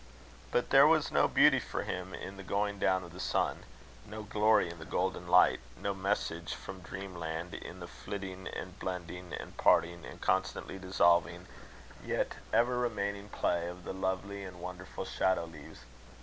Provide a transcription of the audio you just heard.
But there was no beauty for him in the going down of the sun; no glory in the golden light; no message from dream land in the flitting and blending and parting, the constantly dissolving yet ever remaining play of the lovely and wonderful shadow leaves.